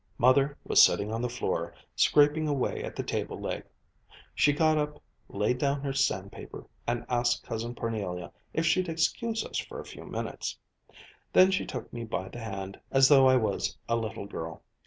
Mother was sitting on the floor, scraping away at the table leg. She got up, laid down her sandpaper, and asked Cousin Parnelia if she'd excuse us for a few minutes. Then she took me by the hand, as though I was a little girl.